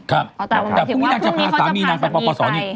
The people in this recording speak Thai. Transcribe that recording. แต่พรุ่งนี้นางจะพาสามนี่นางประสบีไป